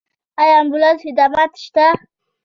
آیا امبولانس خدمات شته؟